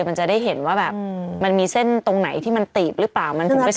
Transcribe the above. มันจะได้เห็นว่าแบบมันมีเส้นตรงไหนที่มันตีบหรือเปล่า